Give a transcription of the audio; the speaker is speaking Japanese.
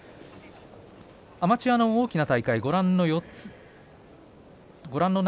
アマチュアの大きな大会ご覧のように４つあります。